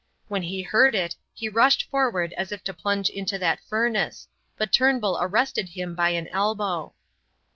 When he heard it he rushed forward as if to plunge into that furnace, but Turnbull arrested him by an elbow.